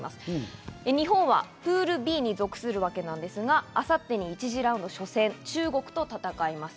日本はプールＢに属するわけですが、明後日に１次ラウンド初戦、中国と戦います。